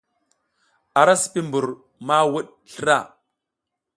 A ra sipi mbur ma wuɗ slra.